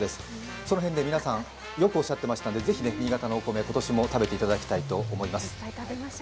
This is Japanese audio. その辺で皆さんよくおっしゃっていましたんでぜひ皆さん新潟のお米を食べていただきたいと思います。